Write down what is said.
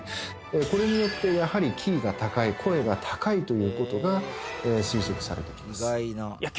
これによってやはりキーが高い声が高いという事が推測されてきます。